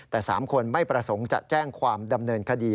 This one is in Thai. แต่๓คนไม่ประสงค์จะแจ้งความดำเนินคดี